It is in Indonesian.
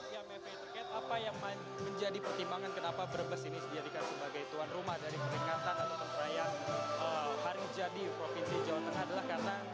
ya mevri terkait apa yang menjadi pertimbangan kenapa brebes ini dijadikan sebagai tuan rumah dari peringatan atau perayaan hari jadi provinsi jawa tengah adalah karena